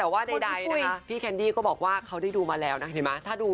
แต่ว่าใดนะคะพี่แคนดี้ก็บอกว่าเขาได้ดูมาแล้วนะเห็นไหม